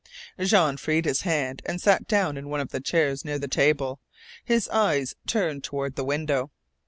Jean freed his hand and sat down in one of the chairs near the table. His eyes turned toward the window.